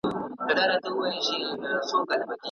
په لاس خط لیکل د پیچلو مسایلو د ساده کولو لاره ده.